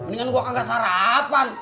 mendingan gua kagak sarapan